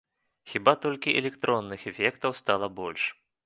Хіба толькі электронных эфектаў стала больш.